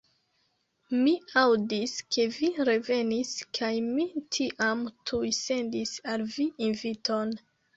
Mi aŭdis, ke vi revenis, kaj mi tiam tuj sendis al vi inviton.